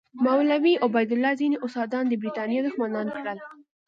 مولوي عبیدالله ځینې استادان د برټانیې دښمنان کړل.